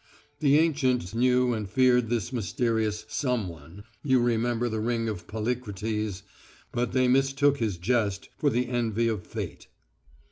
The ancients knew and feared this mysterious Someone you remember the ring of Polycrates but they mistook his jest for the envy of Fate.